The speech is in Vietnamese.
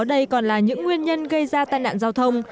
đây còn là những nguyên nhân gây ra tai nạn giao thông